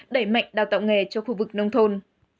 đẩy mạnh đào tạo nghề cho khu vực nông thôn